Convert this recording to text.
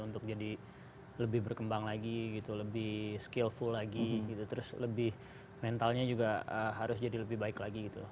untuk jadi lebih berkembang lagi gitu lebih skillful lagi gitu terus lebih mentalnya juga harus jadi lebih baik lagi gitu